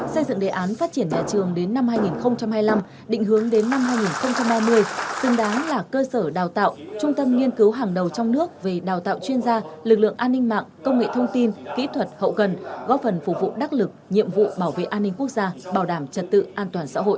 xây dựng đề án phát triển nhà trường đến năm hai nghìn hai mươi năm định hướng đến năm hai nghìn ba mươi xứng đáng là cơ sở đào tạo trung tâm nghiên cứu hàng đầu trong nước về đào tạo chuyên gia lực lượng an ninh mạng công nghệ thông tin kỹ thuật hậu cần góp phần phục vụ đắc lực nhiệm vụ bảo vệ an ninh quốc gia bảo đảm trật tự an toàn xã hội